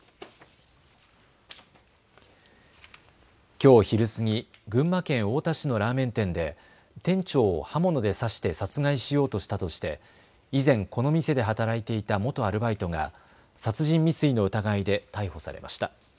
きょう昼過ぎ、群馬県太田市のラーメン店で店長を刃物で刺して殺害しようとしたとして以前、この店で働いていた元アルバイトが殺人未遂の疑いで逮捕されました。